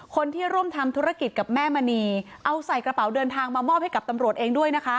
คนที่ร่วมทำธุรกิจกับแม่มณีเอาใส่กระเป๋าเดินทางมามอบให้กับตำรวจเองด้วยนะคะ